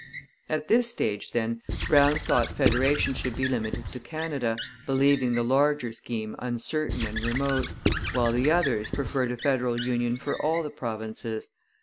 At this stage, then, Brown thought federation should be limited to Canada, believing the larger scheme uncertain and remote, while the others preferred a federal union for all the provinces.